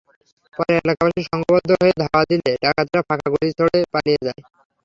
পরে এলাকাবাসী সংঘবদ্ধ হয়ে ধাওয়া দিলে ডাকাতেরা ফাঁকা গুলি ছোড়ে পালিয়ে যায়।